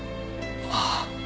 ああ。